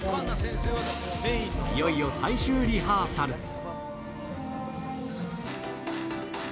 いよいよ最終リハーサル。